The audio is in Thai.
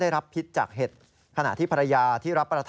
เนื่องจากทานเห็ดพิษเข้าไป